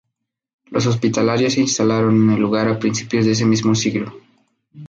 Los hospitalarios se instalaron en el lugar a principios de ese mismo siglo.